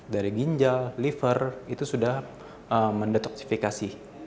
dari ginjal liver itu sudah mendetoksifikasi